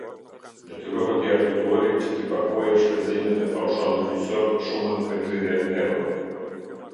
Detyrohet i akuzuari, që ti paguajë shpenzimet e paushallit gjyqësor shumën prej tridhjetë euro.